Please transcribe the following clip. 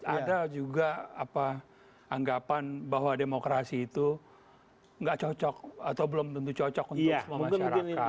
ada juga anggapan bahwa demokrasi itu nggak cocok atau belum tentu cocok untuk semua masyarakat